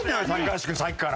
橋君さっきから。